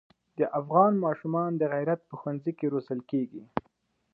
د افغان ماشومان د غیرت په ښونځي کې روزل کېږي.